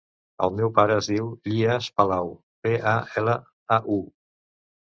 El meu pare es diu Ilyas Palau: pe, a, ela, a, u.